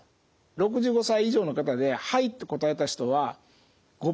６５歳以上の方で「はい」と答えた人は５％もいない。